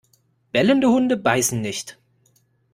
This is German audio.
Bellende Hunde beißen nicht!